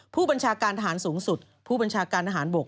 ผู้บัญชาการทหารสูงสุดผู้บัญชาการทหารบก